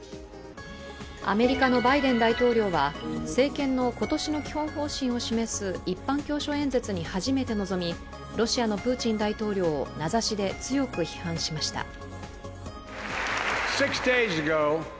アメリカのバイデン大統領は政権の今年の基本方針を示す一般教書演説に初めて臨み、ロシアのプーチン大統領を名指しで強く批判しました。